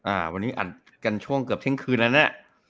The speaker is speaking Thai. อ่าวันนี้อัดกันช่วงเกือบเที่ยงคืนแล้วน่ะ